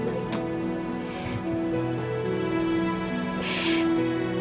putih akan sehat